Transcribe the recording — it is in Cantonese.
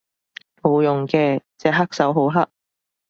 冇用嘅，隻黑手好黑